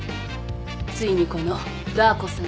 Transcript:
ついにこのダー子さん